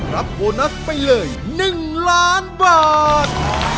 รับโบนัสไปเลย๑ล้านบาท